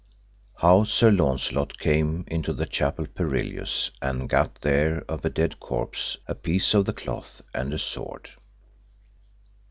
How Sir Launcelot came into the Chapel Perilous and gat there of a dead corpse a piece of the cloth and a sword.